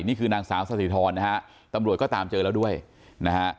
นี่คือนางสาวสถิธรนะฮะตำรวจก็ตามเจอแล้วด้วยนะฮะ